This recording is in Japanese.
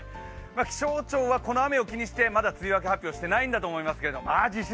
気象庁はこの雨を気にしてまだ梅雨明けを発表してないんだと思いますが実質